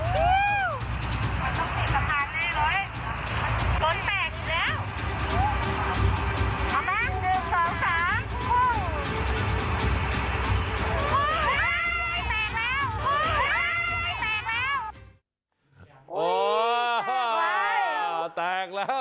ตรงนี้มันแกรกแล้ว